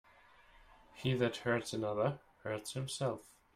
He that hurts another, hurts himself.